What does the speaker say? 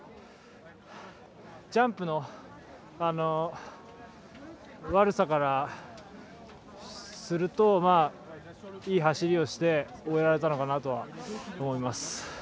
ジャンプの悪さからするといい走りをして終えられたのかなとは思います。